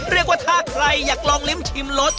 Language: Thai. เรียกว่าถ้าใครอยากลองลิ้มชิมรส